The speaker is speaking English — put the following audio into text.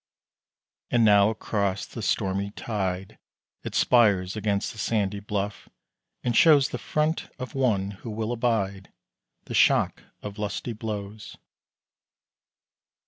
And now across the stormy tide It spires against the sandy bluff, and shows The front of one who will abide The shock of lusty blows.